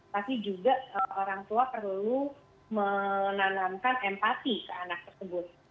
tapi juga orang tua perlu menanamkan empati ke anak tersebut